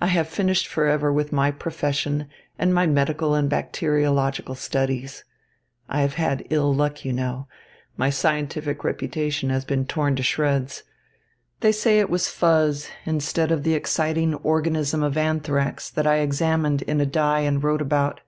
I have finished forever with my profession and my medical and bacteriological studies. I have had ill luck, you know. My scientific reputation has been torn to shreds. They say it was fuzz instead of the exciting organism of anthrax that I examined in a dye and wrote about.